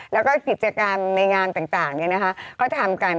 แล้วก็ผิดจักรรมในงานต่างนะคะก็ทำกัน